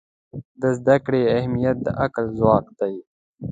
د زده کړې اهمیت د عقل ځواک دی.